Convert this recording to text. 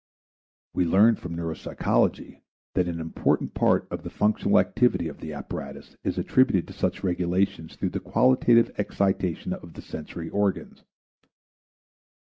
We learn from neuropsychology that an important part in the functional activity of the apparatus is attributed to such regulations through the qualitative excitation of the sensory organs.